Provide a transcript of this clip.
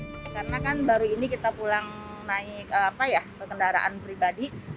karena kan baru ini kita pulang naik kendaraan pribadi